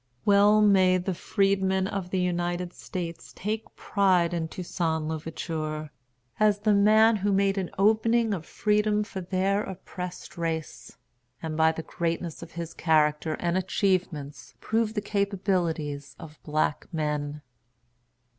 Well may the Freedmen of the United States take pride in Toussaint l'Ouverture, as the man who made an opening of freedom for their oppressed race, and by the greatness of his character and achievements proved the capabilities of Black Men.